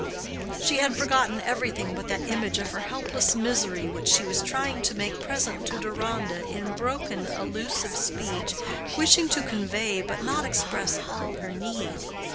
She had forgotten everything but that image of her helpless misery which she was trying to make present to Deronda in broken allusive speech—wishing to convey but not express all her need.